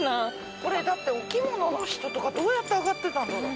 これだってお着物の人とかどうやって上がってたんだろう。